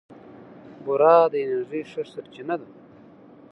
بوره د انرژۍ ښه سرچینه ده.